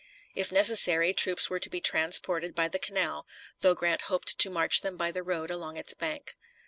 If necessary, troops were to be transported by the canal, though Grant hoped to march them by the road along its bank.